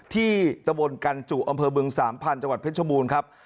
ที่ตะบนกันจุอำเภอบึงสามพันธุ์จังหวัดเพชรบูรณ์ครับ